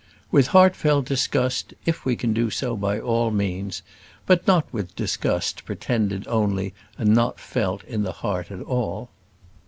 With heartfelt disgust, if we can do so, by all means; but not with disgust pretended only and not felt in the heart at all.